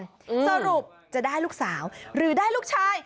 สรุปจะได้ลูกสาวหรือได้ลูกชาย